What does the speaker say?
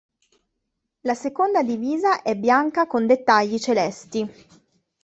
La seconda divisa è bianca con dettagli celesti.